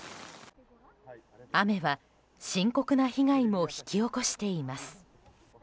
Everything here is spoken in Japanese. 雨は深刻な被害も引き起こしています。